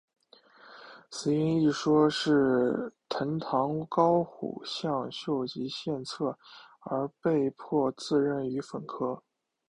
死因一说是藤堂高虎向秀吉献策而被迫自刃于粉河。